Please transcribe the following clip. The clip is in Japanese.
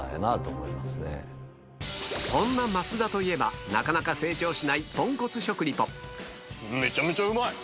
そんな増田といえばなかなかめちゃめちゃうまい！